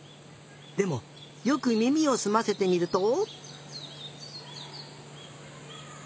でもよくみみをすませてみると。